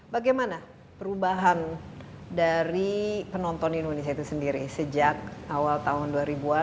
bagaimana perubahan dari penonton indonesia itu sendiri sejak awal tahun dua ribu an